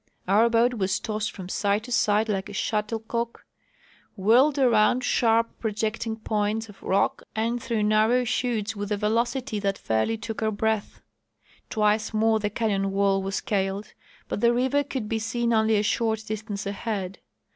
Our boat w^as tossed from side to side like a shuttlecock, whirled around sharp projecting points of rock and through narrow chutes with a velocity that fairly took our breath. Twice more the canyon wall was scaled, but the river could be seen only a short distance ahead.